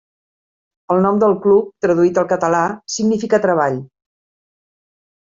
El nom del club, traduït al català significa treball.